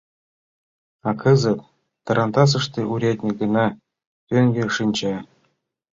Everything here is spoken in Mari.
А кызыт тарантасыште урядник гына тӧҥге шинча.